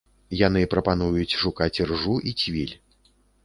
Яны прапануюць шукаць іржу і цвіль.